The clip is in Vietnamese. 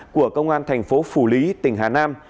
của công an thành phố phủ lý tỉnh hà nam